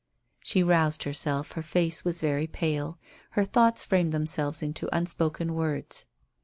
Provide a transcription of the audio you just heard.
She roused herself; her face was very pale. Her thoughts framed themselves into unspoken words.